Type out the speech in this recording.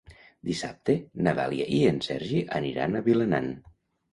Dissabte na Dàlia i en Sergi aniran a Vilanant.